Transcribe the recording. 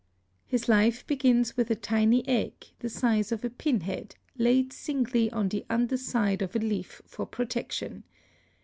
His life begins with a tiny egg, the size of a pin head, laid singly on the under side of a leaf for protection.